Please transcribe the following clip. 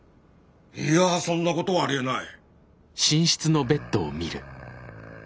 いやそんなことはありえない。